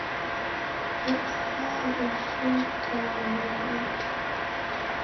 Its had a chief town Vienna.